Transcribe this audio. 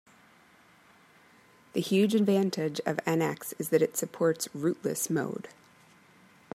The huge advantage of NX is that it supports "rootless" mode.